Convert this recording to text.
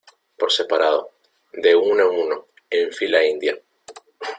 por separado. de uno en uno, en fila india .